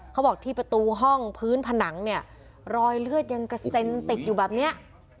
เขาบอกที่ประตูห้องพื้นผนังเนี่ยรอยเลือดยังกระเซ็นติดอยู่แบบเนี้ย